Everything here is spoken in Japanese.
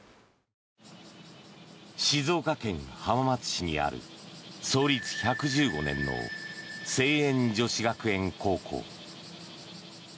静岡県浜松市にある創立１１５年の西遠女子学園高校。